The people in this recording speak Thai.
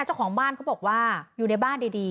เจ้าของบ้านเขาบอกว่าอยู่ในบ้านดี